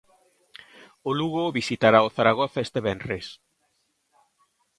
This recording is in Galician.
O Lugo visitará o Zaragoza este venres.